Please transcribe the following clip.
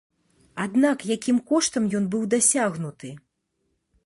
Аднак якім коштам ён быў дасягнуты?